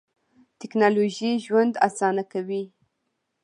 تکنالوژي ژوند آسانه کوي.